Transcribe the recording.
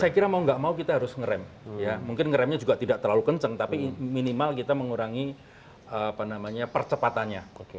saya kira mau nggak mau kita harus ngerem mungkin ngeremnya juga tidak terlalu kenceng tapi minimal kita mengurangi percepatannya